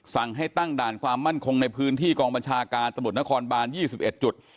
สั่งให้ตั้งด่านความมั่นคงในพื้นที่กองบัญชาการตำรวจนครบาน๒๑จุด